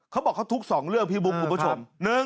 เขาบอกเขาทุก๒เรื่องพี่บุ๊คคุณผู้ชม